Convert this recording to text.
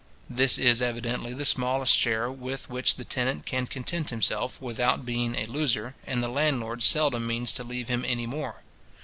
This is evidently the smallest share with which the tenant can content himself, without being a loser, and the landlord seldom means to leave him any more.